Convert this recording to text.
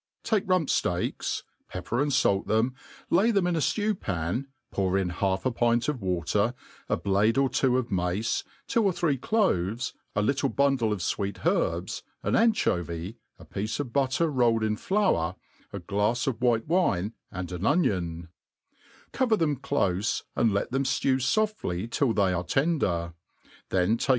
TAKE rump (leaks, pepper and fait them, lay them in a SBew pan, pour in ha}f a pint of water, a blade or two of mace, two or three cloves, a little bundle of fweet herbs, an ancho* 'Vj^ a piece of butter rolled in flour, a glafs of white wine, and an onion ; cover them clofe, and let them dew foftly till rhsf are tender ; then take o.